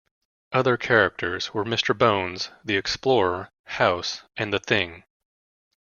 Other characters were Mister Bones, the Explorer, House, and the Thing.